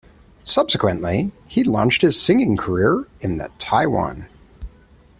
Subsequently, he launched his singing career in the Taiwan.